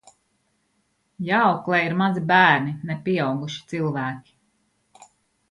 Jāauklē ir mazi bērni, ne pieauguši cilvēki.